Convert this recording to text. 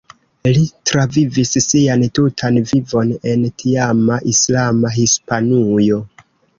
Li travivis sian tutan vivon en tiama islama Hispanujo.